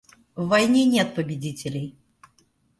В войне нет победителей.